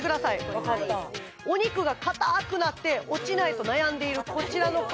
わかったお肉が硬くなって落ちないと悩んでいるこちらの方